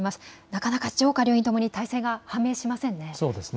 なかなか上下両院とも大勢が判明しませんね。